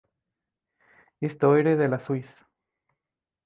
Histoire de la Suisse.